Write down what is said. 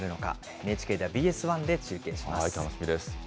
ＮＨＫではＢＳ１で中継します。